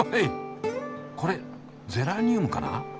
これゼラニウムかな？